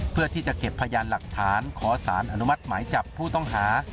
เพื่อที่จะเก็บพยานหลักฐานขอสารอนุมัติหมายจับผู้ต้องหา